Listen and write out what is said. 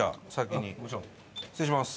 失礼します。